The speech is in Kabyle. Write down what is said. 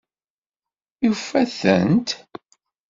Yufa-tent?